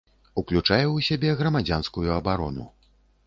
Ўключае ў сябе грамадзянскую абарону.